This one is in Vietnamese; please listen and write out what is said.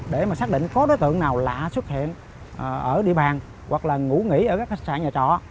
để mà xác định có đối tượng nào lạ xuất hiện ở địa bàn hoặc là ngủ nghỉ ở các khách sạn nhà trọ